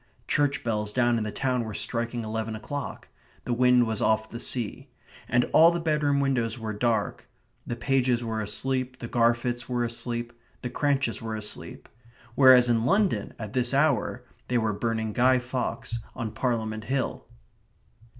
Church bells down in the town were striking eleven o'clock. The wind was off the sea. And all the bedroom windows were dark the Pages were asleep; the Garfits were asleep; the Cranches were asleep whereas in London at this hour they were burning Guy Fawkes on Parliament Hill.